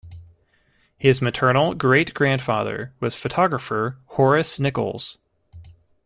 His maternal great-grandfather was photographer Horace Nicholls.